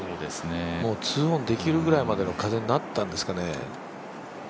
もう２オンできるぐらいまでの風になったんですかね。